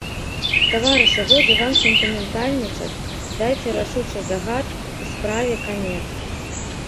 Таварышы, годзе вам сентыментальнічаць, дайце рашучы загад, і справе канец.